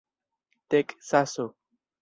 teksaso